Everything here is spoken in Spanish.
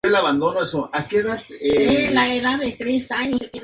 Activamente recogen grandes insectos y arañas del follaje durante el vuelo.